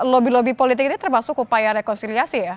lobby lobby politik ini termasuk upaya rekonsiliasi ya